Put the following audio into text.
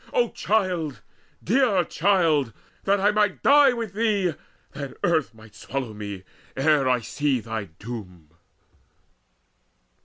O child, dear child, that I might die with thee, That earth might swallow me, ere I see thy doom!"